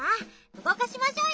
うごかしましょうよ！